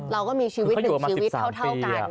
เราก็มีชีวิตหนึ่งชีวิตเท่ากัน